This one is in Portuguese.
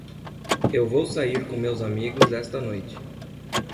Eu vou sair com meus amigos esta noite.